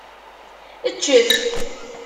Ččet.